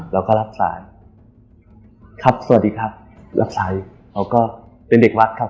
เราก็รับสายครับสวัสดีครับรับสายเขาก็เป็นเด็กวัดครับ